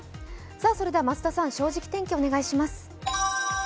それでは増田さん、「正直天気」お願いします。